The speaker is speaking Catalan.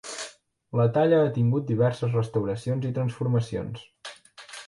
La talla ha tingut diverses restauracions i transformacions.